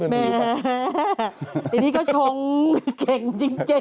อันนี้ก็ชงเก่งจริง